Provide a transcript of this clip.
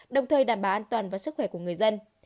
đồng thời đảm bảo an toàn và sức khỏe của người dân